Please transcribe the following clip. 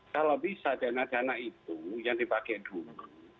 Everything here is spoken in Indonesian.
kalau bisa dana dana itu yang dipakai dulu